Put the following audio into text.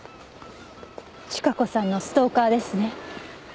千加子さんのストーカーですね。